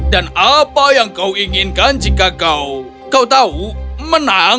dan apa yang kau inginkan jika kau tahu menang